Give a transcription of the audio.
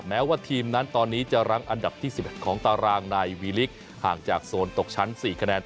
แม้ว่าทีมนั้นตอนนี้จะรั้งอันดับที่๑๑ของตารางในวีลิกห่างจากโซนตกชั้น๔คะแนน